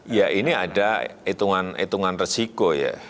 ya ini ada hitungan hitungan resiko ya